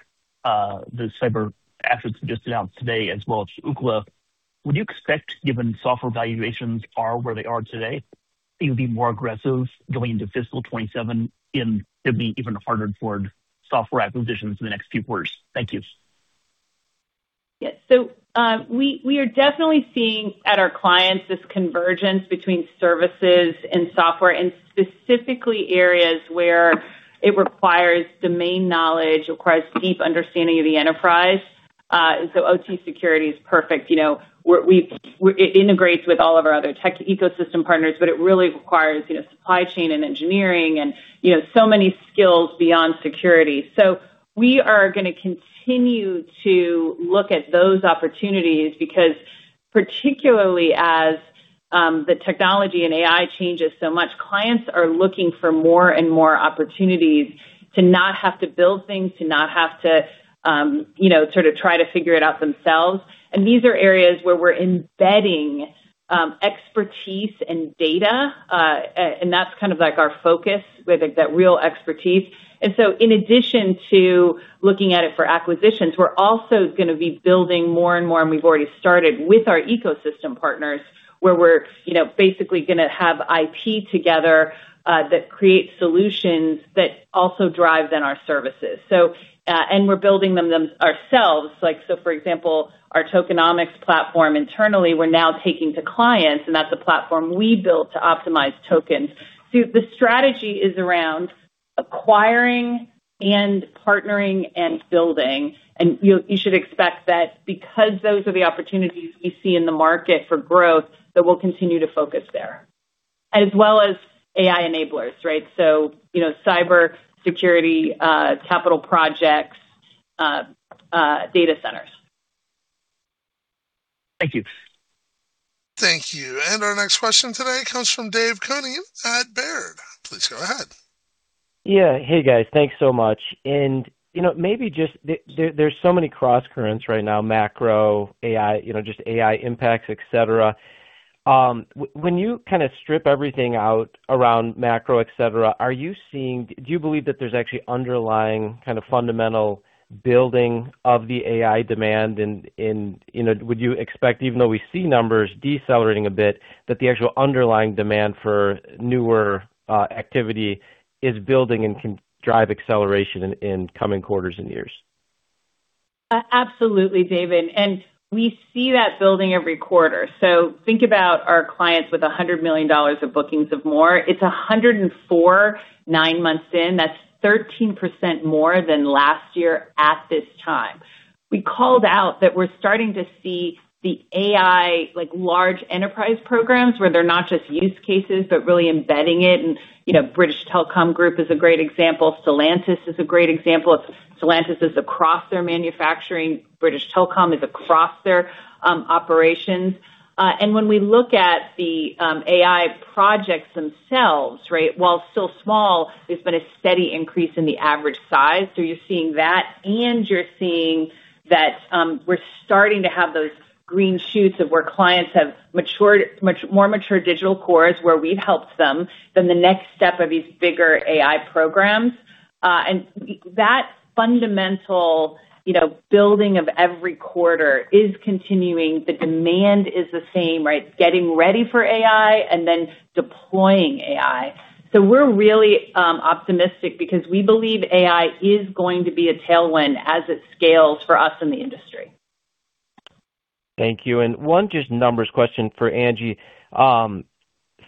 cyber assets you just announced today as well as Ookla. Would you expect, given software valuations are where they are today, you'll be more aggressive going into fiscal 2027 in maybe even harder toward software acquisitions in the next few quarters? Thank you. Yeah. We are definitely seeing at our clients this convergence between services and software, and specifically areas where it requires domain knowledge, requires deep understanding of the enterprise. OT security is perfect. It integrates with all of our other tech ecosystem partners, but it really requires supply chain and engineering and so many skills beyond security. We are going to continue to look at those opportunities because particularly as the technology and AI changes so much, clients are looking for more and more opportunities to not have to build things, to not have to try to figure it out themselves. These are areas where we're embedding expertise and data, and that's like our focus with that real expertise. In addition to looking at it for acquisitions, we're also going to be building more and more, and we've already started with our ecosystem partners, where we're basically going to have IP together that creates solutions that also drive then our services. We're building them ourselves. For example, our tokenomics platform internally, we're now taking to clients, and that's a platform we built to optimize tokens. The strategy is around acquiring and partnering and building. You should expect that because those are the opportunities we see in the market for growth, that we'll continue to focus there. As well as AI enablers, right? Cybersecurity, capital projects, data centers. Thank you. Thank you. Our next question today comes from Dave Koning at Baird. Please go ahead. Yeah. Hey, guys. Thanks so much. Maybe just there's so many crosscurrents right now, macro, AI, just AI impacts, et cetera. When you strip everything out around macro, et cetera, do you believe that there's actually underlying fundamental building of the AI demand? Would you expect, even though we see numbers decelerating a bit, that the actual underlying demand for newer activity is building and can drive acceleration in coming quarters and years? Absolutely, David, we see that building every quarter. Think about our clients with $100 million of bookings of more. It's 104, nine months in. That's 13% more than last year at this time. We called out that we're starting to see the AI large enterprise programs where they're not just use cases, but really embedding it. British Telecom Group is a great example. Stellantis is a great example. Stellantis is across their manufacturing. British Telecom is across their operations. When we look at the AI projects themselves, while still small, there's been a steady increase in the average size. You're seeing that, you're seeing that we're starting to have those green shoots of where clients have more mature digital cores where we've helped them than the next step of these bigger AI programs. That fundamental building of every quarter is continuing. The demand is the same. Getting ready for AI and then deploying AI. We're really optimistic because we believe AI is going to be a tailwind as it scales for us in the industry. Thank you. One just numbers question for Angie.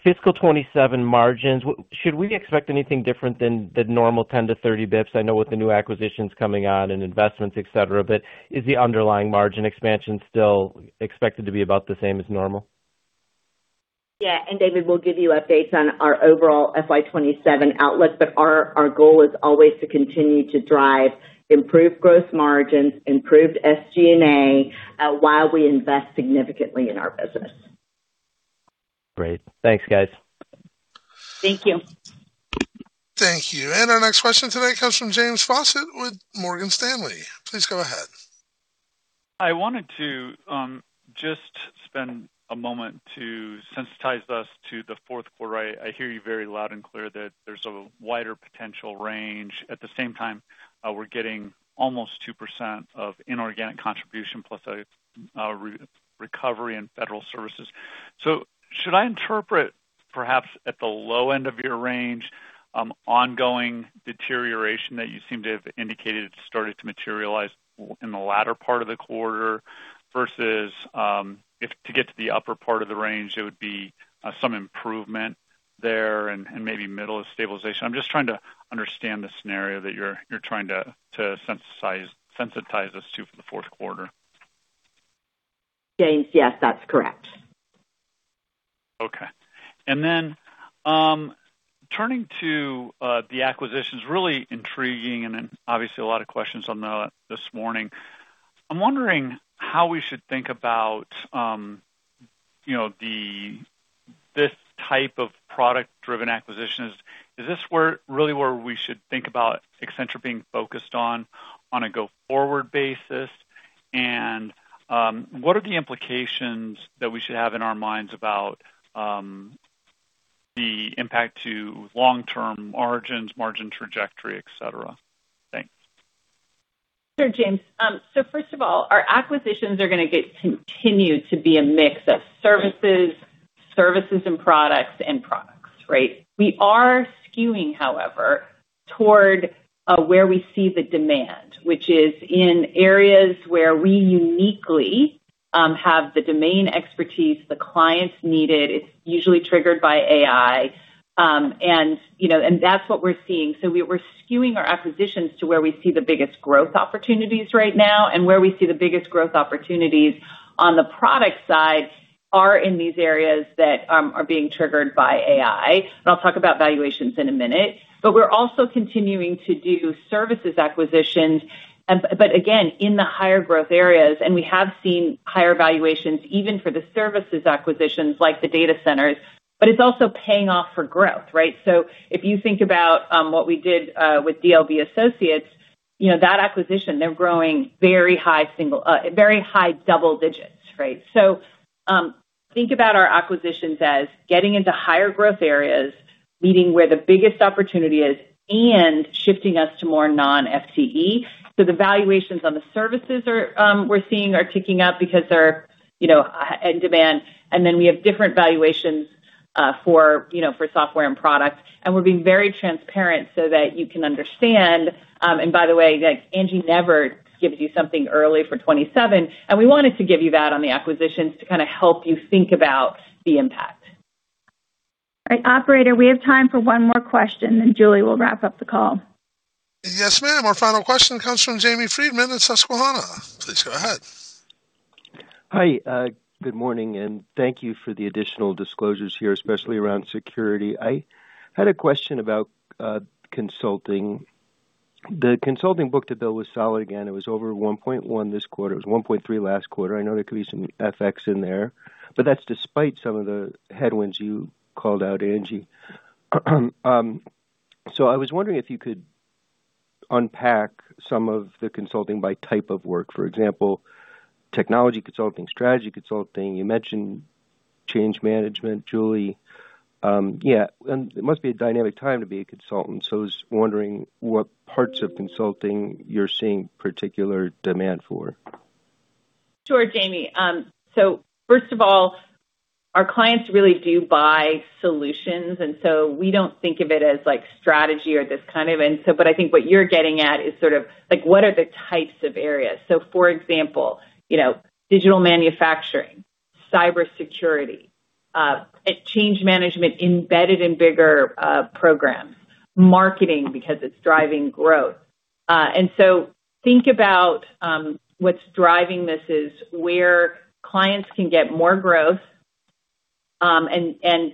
Fiscal 2027 margins, should we expect anything different than the normal 10 to 30 basis points? I know with the new acquisitions coming on and investments, et cetera, but is the underlying margin expansion still expected to be about the same as normal? Yeah. David, we'll give you updates on our overall FY 2027 outlook, but our goal is always to continue to drive improved gross margins, improved SG&A, while we invest significantly in our business. Great. Thanks, guys. Thank you. Thank you. Our next question today comes from James Faucette with Morgan Stanley. Please go ahead. I wanted to just spend a moment to sensitize us to the fourth quarter. I hear you very loud and clear that there's a wider potential range. At the same time, we're getting almost 2% of inorganic contribution plus a recovery in Federal Services. Should I interpret, perhaps at the low end of your range, ongoing deterioration that you seem to have indicated it's started to materialize in the latter part of the quarter versus, if to get to the upper part of the range, it would be some improvement there and maybe middle of stabilization? I'm just trying to understand the scenario that you're trying to sensitize us to for the fourth quarter. James. Yes, that's correct. Okay. Turning to the acquisitions, really intriguing and then obviously a lot of questions on this morning. I'm wondering how we should think about this type of product-driven acquisitions. Is this really where we should think about Accenture being focused on a go-forward basis? What are the implications that we should have in our minds about the impact to long-term margins, margin trajectory, et cetera? Thanks. Sure, James. First of all, our acquisitions are going to continue to be a mix of services and products, and products, right? We are skewing, however, toward where we see the demand, which is in areas where we uniquely have the domain expertise the clients needed. It's usually triggered by AI. That's what we're seeing. We're skewing our acquisitions to where we see the biggest growth opportunities right now, and where we see the biggest growth opportunities on the product side are in these areas that are being triggered by AI. I'll talk about valuations in a minute. We're also continuing to do services acquisitions, but again, in the higher growth areas, and we have seen higher valuations even for the services acquisitions like the data centers, but it's also paying off for growth, right? If you think about what we did with DLB Associates, that acquisition, they're growing very high double digits, right? Think about our acquisitions as getting into higher growth areas, meeting where the biggest opportunity is, and shifting us to more non-FTE. The valuations on the services we're seeing are ticking up because they're in demand, and we have different valuations for software and products, and we're being very transparent so that you can understand. By the way, Angie never gives you something early for 2027, and we wanted to give you that on the acquisitions to help you think about the impact. All right, operator, we have time for one more question, Julie will wrap up the call. Yes, ma'am. Our final question comes from Jamie Friedman of Susquehanna. Please go ahead. Hi, good morning. Thank you for the additional disclosures here, especially around security. I had a question about consulting. The consulting book that bill was solid again, it was over 1.1 this quarter. It was 1.3 last quarter. I know there could be some FX in there. That's despite some of the headwinds you called out, Angie Park. I was wondering if you could unpack some of the consulting by type of work, for example, technology consulting, strategy consulting. You mentioned change management, Julie Sweet. It must be a dynamic time to be a consultant. I was wondering what parts of consulting you're seeing particular demand for. Sure, Jamie. First of all, our clients really do buy solutions. We don't think of it as strategy or this kind of. I think what you're getting at is what are the types of areas. For example, digital manufacturing, cybersecurity, change management embedded in bigger programs, marketing because it's driving growth. Think about what's driving this is where clients can get more growth and/or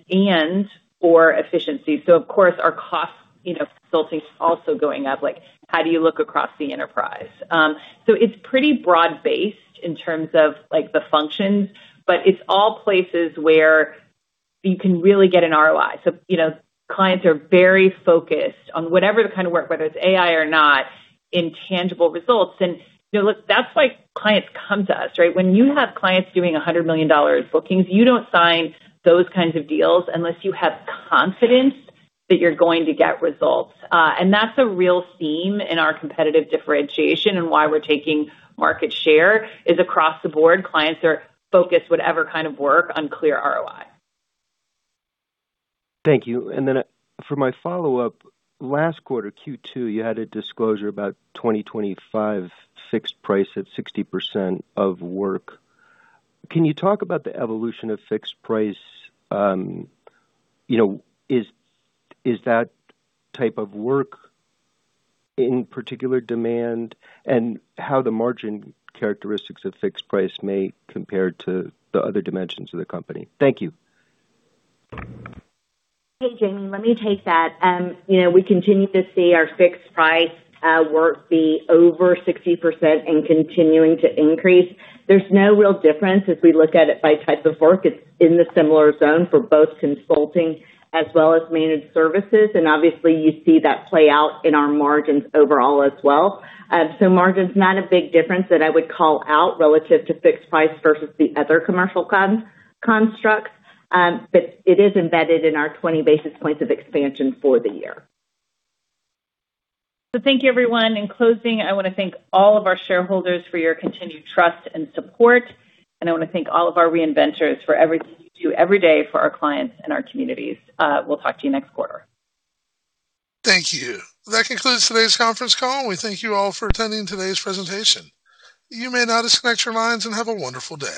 efficiency. Of course, our cost consulting is also going up, like how do you look across the enterprise? It's pretty broad-based in terms of the functions. It's all places where you can really get an ROI. Clients are very focused on whatever the kind of work, whether it's AI or not, in tangible results. Look, that's why clients come to us, right? When you have clients doing $100 million bookings, you don't sign those kinds of deals unless you have confidence that you're going to get results. That's a real theme in our competitive differentiation and why we're taking market share is across the board, clients are focused, whatever kind of work, on clear ROI. Thank you. For my follow-up, last quarter, Q2, you had a disclosure about 2025 fixed price at 60% of work. Can you talk about the evolution of fixed price? Is that type of work in particular demand? How the margin characteristics of fixed price may compare to the other dimensions of the company? Thank you. Hey, Jamie, let me take that. We continue to see our fixed price work be over 60% and continuing to increase. There's no real difference as we look at it by type of work. It's in the similar zone for both consulting as well as managed services, and obviously, you see that play out in our margins overall as well. Margin's not a big difference that I would call out relative to fixed price versus the other commercial constructs, but it is embedded in our 20 basis points of expansion for the year. Thank you, everyone. In closing, I want to thank all of our shareholders for your continued trust and support, and I want to thank all of our Re-inventers for everything you do every day for our clients and our communities. We'll talk to you next quarter. Thank you. That concludes today's conference call. We thank you all for attending today's presentation. You may now disconnect your lines and have a wonderful day.